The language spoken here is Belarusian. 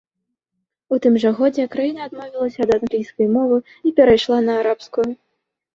У тым жа годзе краіна адмовілася ад англійскай мовы і перайшла на арабскую.